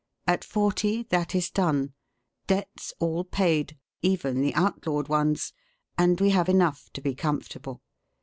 At forty, that is done. Debts all paid, even the outlawed ones, and we have enough to be comfortable.